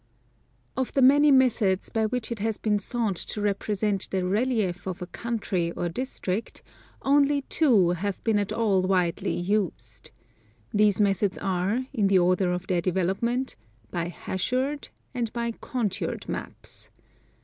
Op the many methods by which it has been sought to represent the relief of a country or district, only two have been at all widely used. These methods are, in the order of their development, by hachured and by contoured maps.